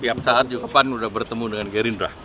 tiap saat juga kepan udah bertemu dengan gerindra